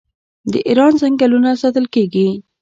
د ایران ځنګلونه ساتل کیږي.